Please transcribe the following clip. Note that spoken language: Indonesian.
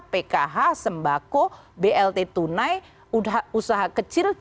pkh sembako blt tunai usaha kecil